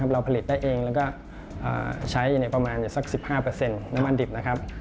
เราผลิตได้เองแล้วก็ใช้ประมาณสัก๑๕น้ำมันดิบ